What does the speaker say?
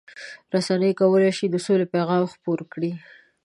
رسنۍ کولای شي د سولې پیغام خپور کړي.